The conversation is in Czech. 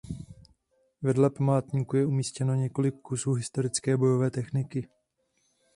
Vedle památníku je umístěno několik kusů historické bojové techniky.